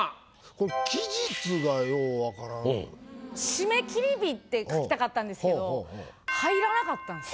これ「期日」が「しめ切り日」って書きたかったんですけど入らなかったんです。